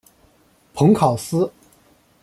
蓬考斯。